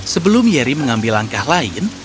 sebelum yeri mengambil langkah lain